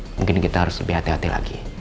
mungkin kita harus lebih hati hati lagi